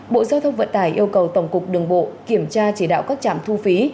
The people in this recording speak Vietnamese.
bộ giao thông vận tải yêu cầu tổng cục đường bộ kiểm tra chỉ đạo các trạm thu phí